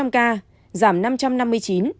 bốn trăm linh ca giảm năm trăm năm mươi chín